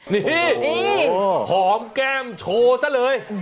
นี่หอมแก้มโชว์ซะเลย